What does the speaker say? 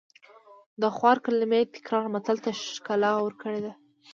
د خوار کلمې تکرار متل ته ښکلا ورکړې ده